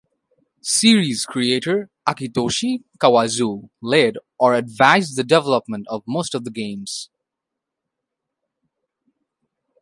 Series creator Akitoshi Kawazu led or advised the development of most of the games.